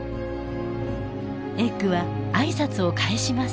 エッグは挨拶を返します。